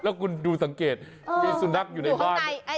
แล้วคุณดูสังเกตมีสุนัขอยู่ในบ้าน